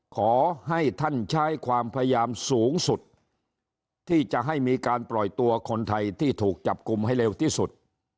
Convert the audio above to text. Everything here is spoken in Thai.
ขอให้ท่านใช้ความพยายามสูงสุดที่จะให้มีการปล่อยตัวคนไทยที่ถูกจับกลุ่มให้เร็วที่สุด